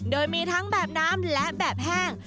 โดยมีทั้งแบบน้ำและแบบแห้ง